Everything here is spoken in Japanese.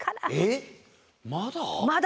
えっまだ？